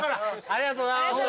ありがとうございます。